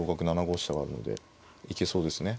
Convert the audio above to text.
７五飛車があるので行けそうですね。